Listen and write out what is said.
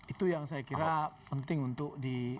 itu yang saya kira penting untuk di